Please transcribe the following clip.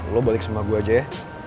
lo balik sama gue aja ya